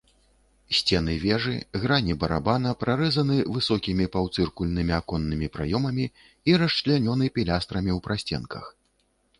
Сцены вежы, грані барабана прарэзаны высокімі паўцыркульнымі аконнымі праёмамі і расчлянёны пілястрамі ў прасценках.